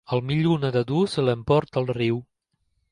Al millor nedador se l'emporta el riu.